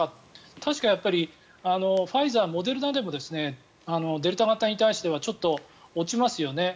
確か、ファイザー、モデルナでもデルタ型に対してはちょっと落ちますよね。